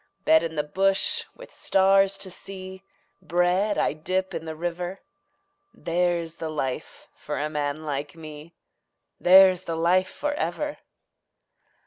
Bed in the bush with stars to see, Bread I dip in the river There's the life for a man like me, There's the life for ever.